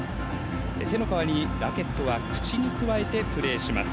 手の代わりに、ラケットは口にくわえてプレーします。